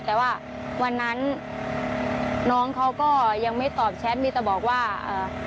แต่ว่าวันนั้นน้องเขาก็ยังไม่ตอบแชทมีแต่บอกว่าเอ่อ